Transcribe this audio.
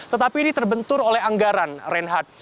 tetapi ini terbentur oleh anggaran reinhardt